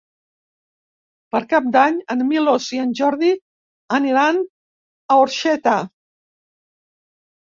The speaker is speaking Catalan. Per Cap d'Any en Milos i en Jordi aniran a Orxeta.